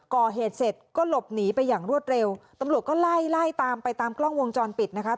ก่อเหตุเสร็จก็หลบหนีไปอย่างรวดเร็วตำรวจก็ไล่ไล่ตามไปตามกล้องวงจรปิดนะคะ